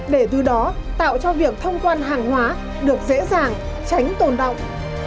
để từ đó tạo cho việc thông quan hàng hóa được dễ dàng tránh tồn động